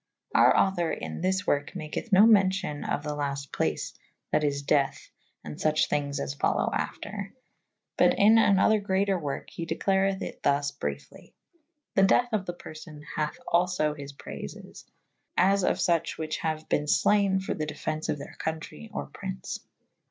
Our author in this worke maketh no mencyon of the laste place that is deathe and fuche thynges as folowe after / but in an other greater worke he declareth it \hus briefly. The dethe of the per fone hathe alfo his prayfes / as of fuche whiche haue ben flayne for the defence of theyr contrey or prynce.